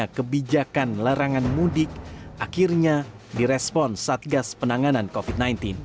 karena kebijakan larangan mudik akhirnya direspon satgas penanganan covid sembilan belas